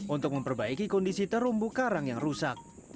untuk memperbaiki kondisi terumbu karang yang rusak